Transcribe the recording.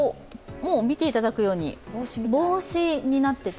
見ていただくように、帽子になってて。